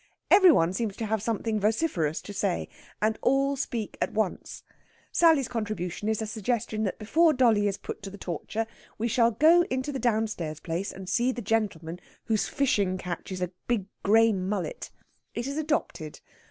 Every one seems to have something vociferous to say, and all speak at once. Sally's contribution is a suggestion that before dolly is put to the torture we shall go into the downstairs place and see the gentleman who's fishing catch a big grey mullet. It is adopted.